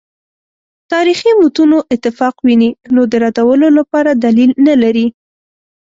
تاریخي متونو اتفاق ویني نو د ردولو لپاره دلیل نه لري.